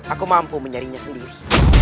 aku mampu mencarinya sendiri